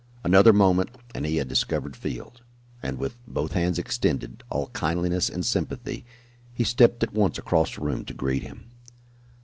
Another moment and he had discovered Field, and with both hands extended, all kindliness and sympathy, he stepped at once across the room to greet him.